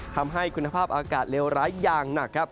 ทำให้คุณภาพอากาศเลวร้ายอย่างหนักครับ